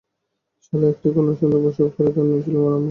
সালা একটি কন্যা সন্তান প্রসব করেন, তার নাম ছিল নামা।